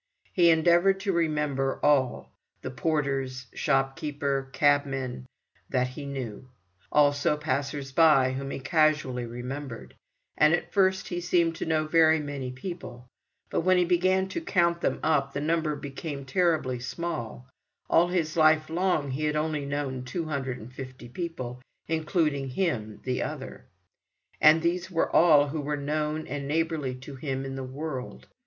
He endeavoured to remember all; the porters, shop keeper, cabmen that he knew, also passers by whom he casually remembered; and at first he seemed to know very many people, but when he began to count them up, the number became terribly small: all his life long he had only known 250 people, including him, the other. And these were all who were known and neighbourly to him in the world.